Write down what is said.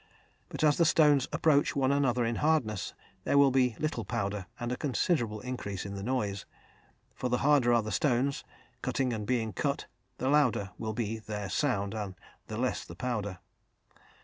But as the stones approach one another in hardness, there will be little powder and a considerable increase in the noise; for the harder are the stones, cutting and being cut, the louder will be the sound and the less the powder.